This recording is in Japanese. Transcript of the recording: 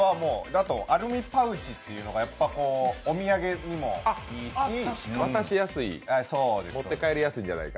あとアルミパウチっていうのがお土産にもいいし。